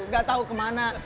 tidak tahu kemana